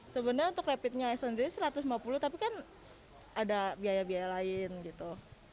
sebenarnya untuk rapidnya sendiri satu ratus lima puluh tapi kan ada biaya biaya lain gitu